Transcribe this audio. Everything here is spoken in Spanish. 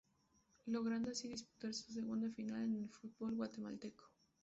Logrando así disputar su segunda final en el fútbol guatemalteco.